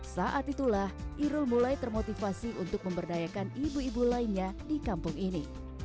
saat itulah irul mulai termotivasi untuk memberdayakan ibu ibu lainnya di kampung ini